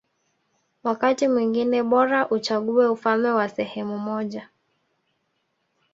Wakati mwingine bora uchague ufalme wa sehemu moja